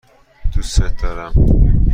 دوستت دارم.